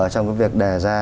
trong việc đề ra